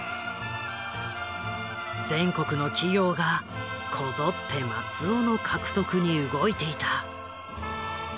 全国の企業がこぞって松尾の獲得に動いていた。